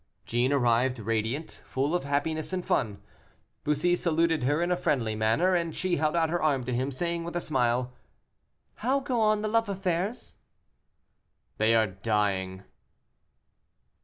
Jeanne arrived radiant, full of happiness and fun. Bussy saluted her in a friendly manner, and she held out her hand to him, saying, with a smile, "How go on the love affairs?" "They are dying."